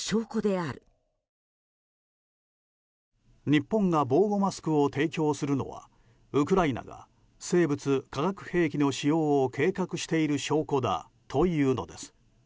日本が防護マスクを提供するのはウクライナが生物・化学兵器の使用を計画している証拠だというのです。